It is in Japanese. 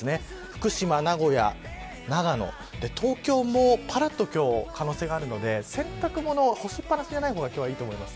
福島、名古屋、長野東京もぱらっと、今日可能性があるので、洗濯物干しっぱなしじゃない方が今日はいいと思います。